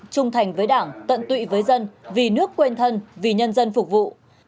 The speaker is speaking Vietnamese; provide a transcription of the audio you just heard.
trung thành với đảng tận tụy với dân vì nước quên thân vì nhân dân phục vụ